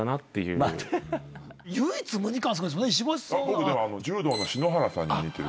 唯一無二感すごいですもんね。